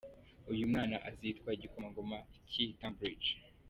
Uyu mwana azitwa igikomangoma cy’i Cambridge.